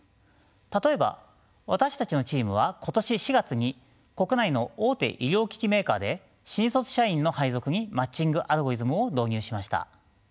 例えば私たちのチームは今年４月に国内の大手医療機器メーカーで新卒社員の配属にマッチングアルゴリズムを導入しました。